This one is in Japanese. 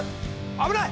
危ない！